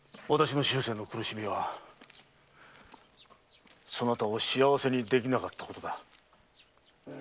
私の終生の苦しみはそなたを幸せにできなかったことだ。